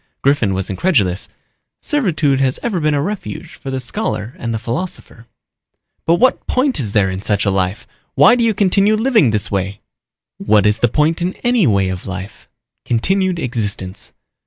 Griffin was incredulous. "Servitude has ever been a refuge for the scholar and the philosopher." "But what point is there in such a life? Why do you continue living this way?" "What is the point in any way of life? Continued existence.